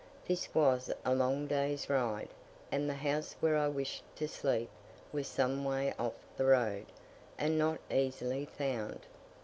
This was a long day's ride; and the house where I wished to sleep was some way off the road, and not easily found.